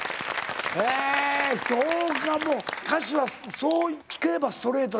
そうかもう歌詞はそう聞けばストレートな。